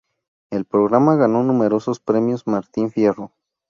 El programa ganó numerosos premios Martín Fierro.